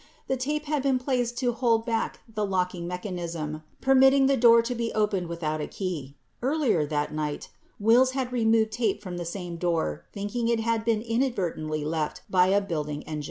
5 The tape had been placed to hold back the locking mech anism, permitting the door to be opened without a key. 6 Earlier that night, Wills had removed tape from the same door thinking it had been inadvertently left by a building engineer.